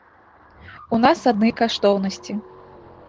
У нас адны каштоўнасці.